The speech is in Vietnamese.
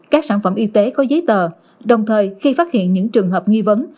các sản phẩm y tế có giấy tờ đồng thời khi phát hiện những trường hợp nghi vấn